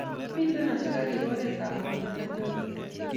Mite asikarik oret ab bomet ak narok